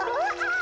ん？